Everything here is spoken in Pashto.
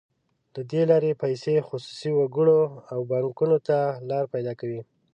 له دې لارې پیسې خصوصي وګړو او بانکونو ته لار پیدا کوي.